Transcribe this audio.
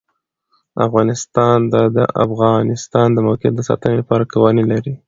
افغانستان د د افغانستان د موقعیت د ساتنې لپاره قوانین لري.